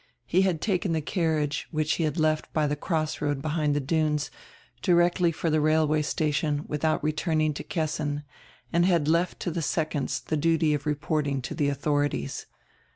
He had taken die carriage, which he had left by die crossroad behind die dunes, direcdy for die railway station, without returning to Kessin, and had left to die seconds die duty of reporting to die audiorities.